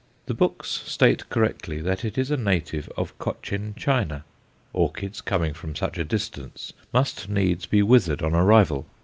The books state correctly that it is a native of Cochin China. Orchids coming from such a distance must needs be withered on arrival.